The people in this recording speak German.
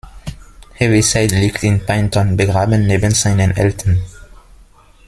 Heaviside liegt in Paignton begraben neben seinen Eltern.